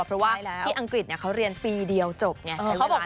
เพราะว่าที่อังกฤษเขาเรียนปีเดียวจบไงใช้เวลา